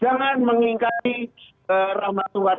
jangan mengingkari rahmat tuhan